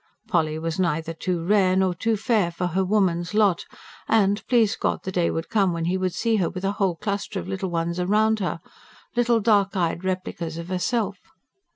Polly was neither too rare nor too fair for her woman's lot; and, please God, the day would come when he would see her with a whole cluster of little ones round her little dark eyed replicas of herself.